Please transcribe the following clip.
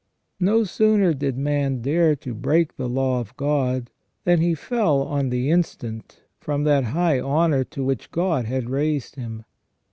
No sooner did man dare to break the law of God, than he fell on the instant from that high honour to which God had raised him.